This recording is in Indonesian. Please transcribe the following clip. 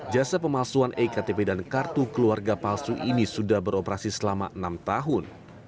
jasa pemalsuan ektp dan kartu keluarga palsu ini sudah beroperasi selama enam tahun